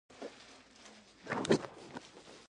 له تیږو نه بېلابېلې مجسمې هم توږل شوې وې.